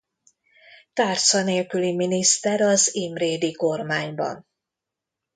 Tárca nélküli miniszter az Imrédy-kormányban.